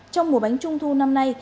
trong mùa bánh trung thu năm nay